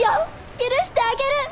許してあげる！